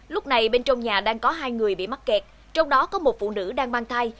lúc này bên trong nhà đang có hai người bị mắc kẹt trong đó có một phụ nữ đang mang thai